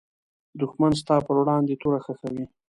دښمن ستا پر وړاندې توره خښوي